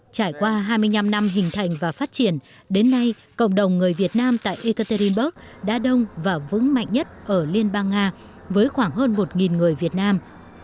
trải qua hai mươi năm năm hình thành và phát triển đến nay cộng đồng người việt nam tại ekaterinburg đã đông và vững mạnh nhất ở liên bang nga với khoảng hơn một người việt nam